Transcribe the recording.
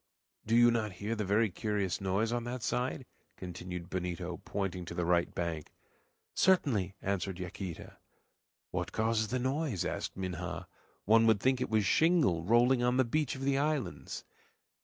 "Do you not hear a very curious noise on that side?" continued Benito, pointing to the right bank. "Certainly," answered Yaquita. "What causes the noise?" asked Minha. "One would think it was shingle rolling on the beach of the islands."